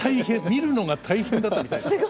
見るのが大変だったみたいですよ。